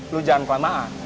lu jangan kelamaan